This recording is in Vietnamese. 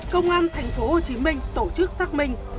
công an tp hcm tổ chức xác minh